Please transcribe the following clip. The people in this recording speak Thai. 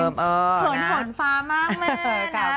เขินฝามากแม่